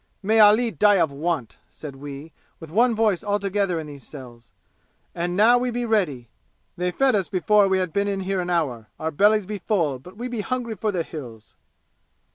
'May Ali die of want,' said we, with one voice all together in these cells! And now we be ready! They fed us before we had been in here an hour. Our bellies be full, but we be hungry for the 'Hills'!"